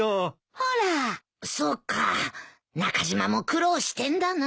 そうか中島も苦労してんだな。